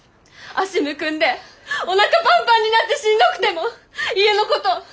足むくんでおなかパンパンになってしんどくても家のこと